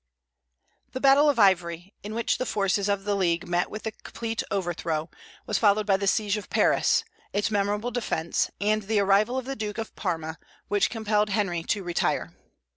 The battle of Ivry, in which the forces of the League met with a complete overthrow, was followed by the siege of Paris, its memorable defence, and the arrival of the Duke of Parma, which compelled Henry to retire.